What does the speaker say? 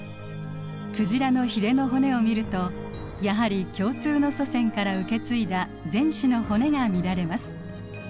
クジラのヒレの骨を見るとやはり共通の祖先から受け継いだ前肢の骨が見られます。